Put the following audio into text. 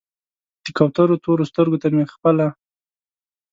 د کوترو تورو سترګو ته مې خپله